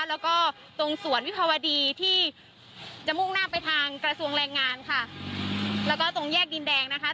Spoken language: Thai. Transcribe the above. แล้วก็ตรงสวนวิภาวดีที่จะมุ่งหน้าไปทางกระทรวงแรงงานค่ะแล้วก็ตรงแยกดินแดงนะคะ